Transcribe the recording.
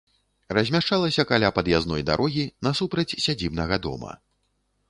Размяшчалася каля пад'язной дарогі, насупраць сядзібнага дома.